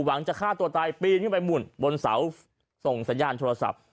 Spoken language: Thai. จะฆ่าตัวตายปีนขึ้นไปหมุนบนเสาส่งสัญญาณโทรศัพท์